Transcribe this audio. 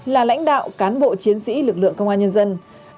là lãnh đạo cán bộ chiến sĩ lực lượng công an nhân dân